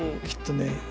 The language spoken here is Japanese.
きっとね。